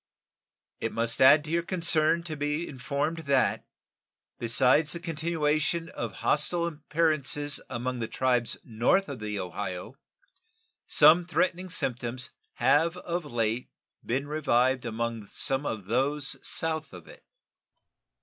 It must add to your concern to be informed that, besides the continuation of hostile appearances among the tribes north of the Ohio, some threatening symptoms have of late been revived among some of those south of it.